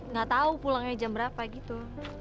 nggak tahu pulangnya jam berapa gitu